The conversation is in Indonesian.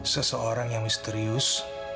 seseorang yang misterius